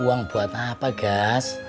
uang buat apa gas